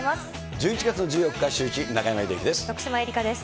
１１月の１４日シューイチ、中山秀征です。